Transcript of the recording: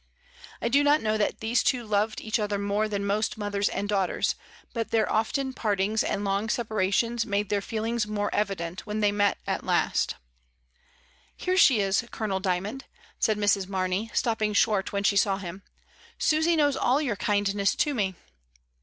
I do not know that these two loved each other more than most mothers and daughters, but their often partings and long separations made their feelings more evi dent when they met at last "Here she is, Colonel Dymond," said Mrs. Mamey, stopping short when she saw him. "Susy knows all your kindness to me."